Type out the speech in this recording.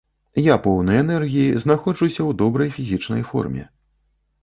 Я поўны энергіі, знаходжуся ў добрай фізічнай форме.